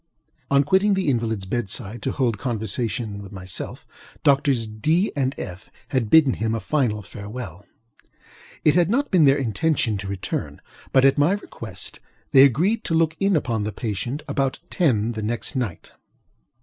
On quitting the invalidŌĆÖs bed side to hold conversation with myself, Doctors DŌĆöŌĆö and FŌĆöŌĆö had bidden him a final farewell. It had not been their intention to return; but, at my request, they agreed to look in upon the patient about ten the next night.